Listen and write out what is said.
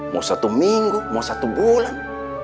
mau satu minggu mau satu bulan